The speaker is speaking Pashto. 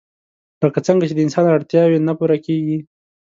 لکه څنګه چې د انسان اړتياوې نه پوره کيږي